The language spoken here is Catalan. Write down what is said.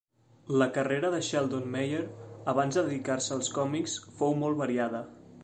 La carrera de Sheldon Mayer abans de dedicar-se als còmics fou molt variada.